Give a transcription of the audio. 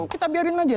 kita biarkan saja